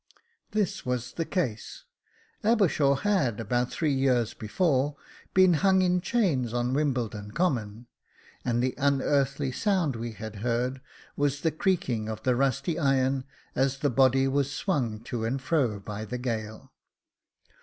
This was the case ; Abershaw had, about three years before, been hung in chains on Wimbledon Common ; and the unearthly sound we had heard was the creaking of the rusty iron as the body was swung to and fro by the gale.